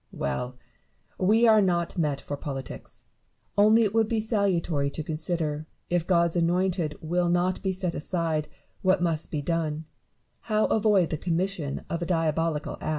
"Well ! we are not met for politics : only it would be salutary to consider, if God's anointed will not be set aside, what must be done — how avoid the commission of a diabolical act.